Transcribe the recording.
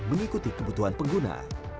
mengikuti kebutuhan pengguna